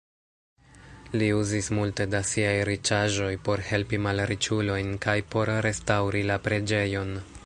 Li uzis multe da siaj riĉaĵoj por helpi malriĉulojn kaj por restaŭri la preĝejon.